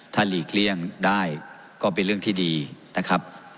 ถ้าหลีกเลี่ยงได้ก็เป็นเรื่องที่ดีนะครับ